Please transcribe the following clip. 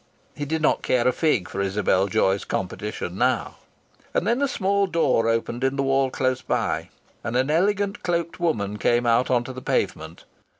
He did not care a fig for Isabel Joy's competition now. And then a small door opened in the wall close by, and an elegant cloaked woman came out on to the pavement.